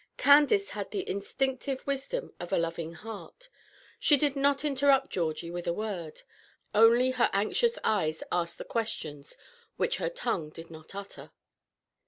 Candace had the instinctive wisdom of a loving heart. She did not interrupt Georgie with a word; only her anxious eyes asked the questions which her tongue did not utter.